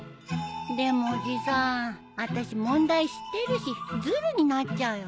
でもおじさんあたし問題知ってるしずるになっちゃうよ。